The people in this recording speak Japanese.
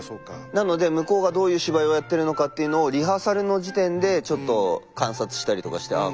なので向こうがどういう芝居をやってるのかっていうのをリハーサルの時点でちょっと観察したりとかしてああ